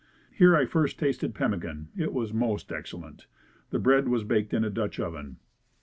Here I first tasted pemmican. It was most excellent. The bread was baked in a Dutch oven.